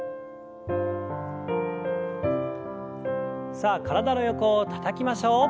さあ体の横をたたきましょう。